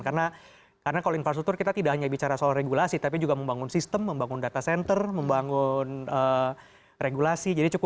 karena kalau infrastruktur kita tidak hanya bicara soal regulasi tapi juga membangun sistem membangun data center membangun regulasi